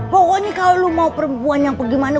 pokoknya kalo lu mau perempuan yang pergi mana